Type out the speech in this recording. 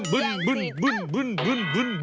เสียเงื่อแล้วนะ